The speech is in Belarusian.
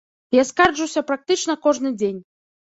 Я скарджуся практычна кожны дзень.